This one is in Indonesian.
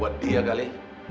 buat dia kali